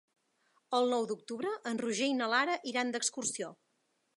El nou d'octubre en Roger i na Lara iran d'excursió.